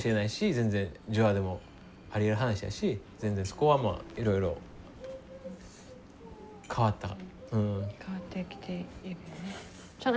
全然承阿でもありうる話やし全然そこはまあいろいろ変わったから。